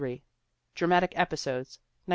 Dramatic Episodes, 1905.